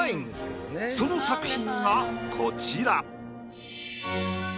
その作品がこちら。